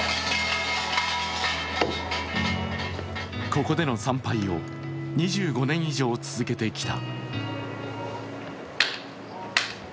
ここでの参拝を２５年以上続けてきた。